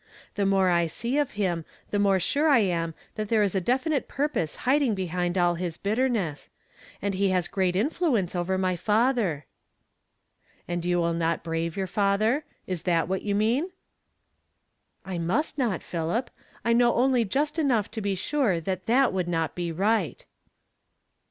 Tlie more I see of him, the more sure r am that tliere is a definite purpose hiding behind all his bitterness ; and he has great influ ence ovej' my father." "And you will not brave your father? Is that what you mean ?"'• I must not, Philip. I know only just enough to be sure that that would not be right."